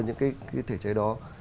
những cái thể chế đó